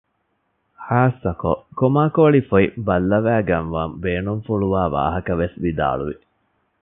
ޚާއްޞަކޮށް ކޮމާކޯޅި ފޮތް ބައްލަވައިގަންވަން ބޭނުންފުޅުވާ ވާހަކަ ވެސް ވިދާޅުވި